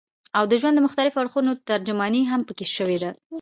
او د ژوند د مختلفو اړخونو ترجماني هم پکښې شوې ده